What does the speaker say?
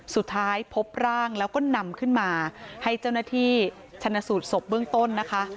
สุดท้ายพบร่างแล้วก็นำขึ้นมาให้เจ้าหน้าที่ชนะสูตรศพเบื้องต้นนะคะ